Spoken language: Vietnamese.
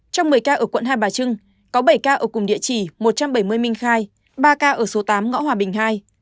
trong một mươi ca ở quận hai bà trưng có bảy ca ở cùng địa chỉ một trăm bảy mươi minh khai ba ca ở số tám ngõ hòa bình ii